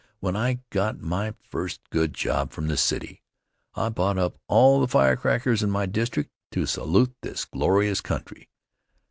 When I got my first good job from the city I bought up all the firecrackers in my district to salute this glorious country.